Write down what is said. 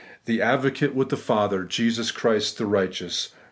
2), ' the Advocate with the Father, Jesus Christ the righteous ' (1 John ii 1).